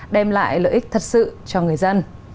đem lại lợi ích thật sự cho người dân